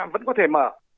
vẫn có thể mở